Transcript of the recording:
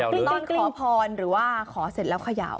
ตอนขอพรหรือว่าขอเสร็จแล้วเขย่า